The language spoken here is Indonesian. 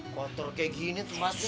kotor kayak gini tempatnya